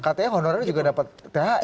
katanya honorer juga dapat thr